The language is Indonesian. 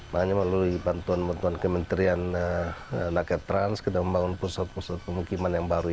makanya melalui bantuan bantuan kementerian naket trans kita membangun pusat pusat pemukiman yang baru